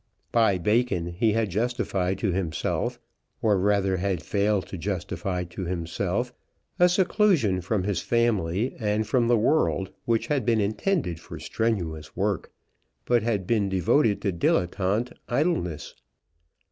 By Bacon he had justified to himself, or rather had failed to justify to himself, a seclusion from his family and from the world which had been intended for strenuous work, but had been devoted to dilettante idleness.